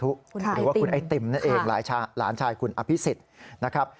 หรือว่าคุณไอติมนั่นเองหลานชายคุณอภิษฎนะครับ